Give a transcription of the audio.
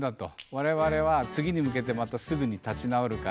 「我々は次に向けてまたすぐに立ち直るから」。